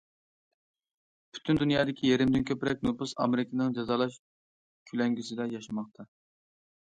پۈتۈن دۇنيادىكى يېرىمدىن كۆپرەك نوپۇس ئامېرىكىنىڭ جازالاش كۆلەڭگىسىدە ياشىماقتا.